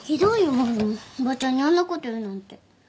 マルモおばちゃんにあんなこと言うなんて。